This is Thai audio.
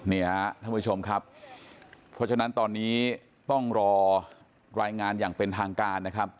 ท่านผู้ชมครับเพราะฉะนั้นตอนนี้ต้องรอรายงานอย่างเป็นทางการนะครับ